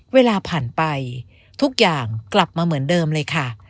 เวลาผ่านไปทุกอย่างกลับมาเหมือนเดิมเลยค่ะ